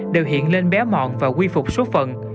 đều hiện lên bé mọn và quy phục số phận